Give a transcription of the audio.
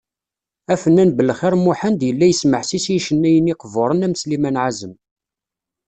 Afennan Belxir Muḥend, yella yesmeḥsis i yicennayen iqburen am Sliman Ɛazem.